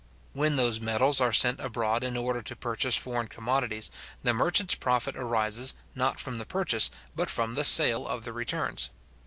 When those metals are sent abroad in order to purchase foreign commodities, the merchant's profit arises, not from the purchase, but from the sale of the returns.